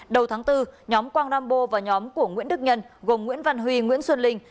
đầu tháng bốn nhóm quang rambo và nhóm của nguyễn đức nhân gồm nguyễn văn huy nguyễn xuân linh